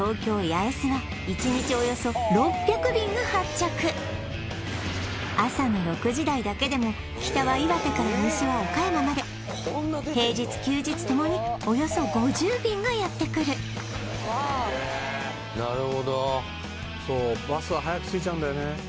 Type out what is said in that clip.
中でも朝の６時台だけでも北は岩手から西は岡山まで平日休日ともにおよそ５０便がやってくるなるほどそうバスは早く着いちゃうんだよね